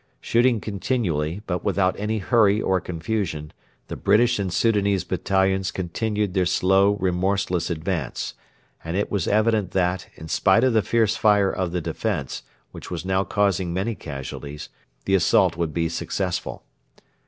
Shooting continually, but without any hurry or confusion, the British and Soudanese battalions continued their slow, remorseless advance; and it was evident that, in spite of the fierce fire of the defence, which was now causing many casualties, the assault would be successful.